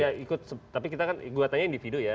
ya ikut tapi kita kan gugatannya individu ya